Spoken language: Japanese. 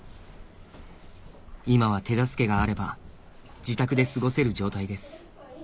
今は手助けがあれば自宅で過ごせる状態です